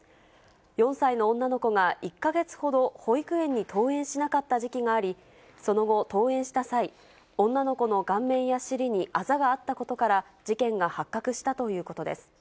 ４歳の女の子が１か月ほど、保育園に登園しなかった時期があり、その後、登園した際、女の子の顔面や尻にあざがあったことから、事件が発覚したということです。